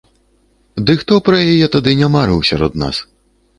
Ды хто пра яе тады не марыў сярод нас?